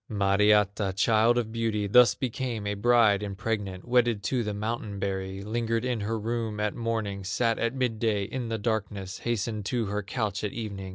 Mariatta, child of beauty, Thus became a bride impregnate, Wedded to the mountain berry; Lingered in her room at morning, Sat at midday in the darkness, Hastened to her couch at evening.